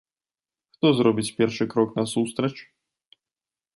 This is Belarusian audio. Хто зробіць першы крок насустрач?